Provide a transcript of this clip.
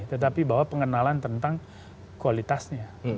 tetapi bahwa pengenalan tentang kualitasnya